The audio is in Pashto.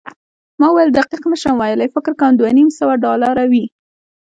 ما وویل، دقیق نه شم ویلای، فکر کوم دوه نیم سوه ډالره وي.